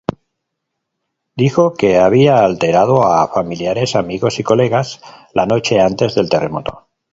Dijo que había alertado a familiares, amigos y colegas la noche antes del terremoto.